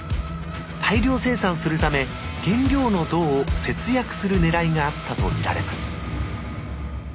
大量生産するため原料の銅を節約するねらいがあったと見られます